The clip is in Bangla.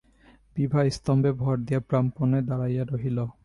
বিভা স্তম্ভে ভর দিয়া প্রাণপণে দাঁড়াইয়া রহিল।